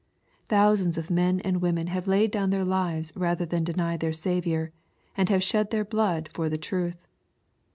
Thousands of men and women have laid down their lives rather than deny their Saviour, and have shed their blood for the truth.